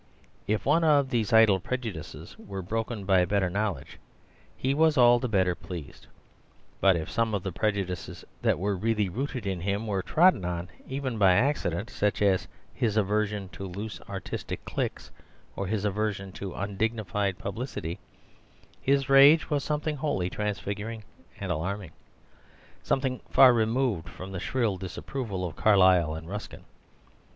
If one of these idle prejudices were broken by better knowledge, he was all the better pleased. But if some of the prejudices that were really rooted in him were trodden on, even by accident, such as his aversion to loose artistic cliques, or his aversion to undignified publicity, his rage was something wholly transfiguring and alarming, something far removed from the shrill disapproval of Carlyle and Ruskin.